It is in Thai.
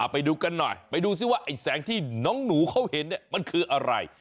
ไปดูกันหน่อยไปดูซิว่าไอ้แสงที่น้องหนูเขาเห็นมันคืออะไร